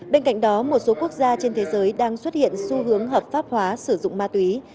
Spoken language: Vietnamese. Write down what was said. bên cạnh đó một số quốc gia trên thế giới đang xuất hiện xu hướng hợp pháp hóa sử dụng ma túy